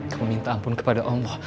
kau minta ampun kepada allah